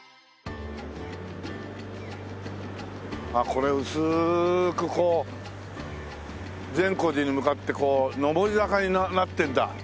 これ薄くこう善光寺に向かって上り坂になってんだ。